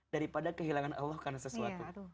daripada kehilangan allah karena sesuatu